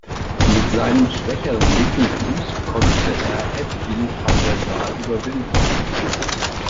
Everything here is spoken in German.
Mit seinem schwächeren linken Fuß konnte er Edwin van der Sar überwinden.